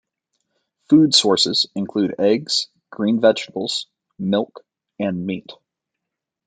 Food sources include eggs, green vegetables, milk, and meat.